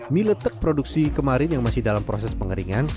mie letek produksi kemarin yang masih dalam proses pengeringan